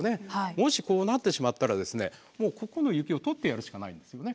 もしこうなってしまったらもうここの雪を取ってやるしかないんですよね。